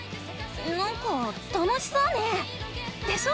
なんか楽しそうねぇ。でしょ！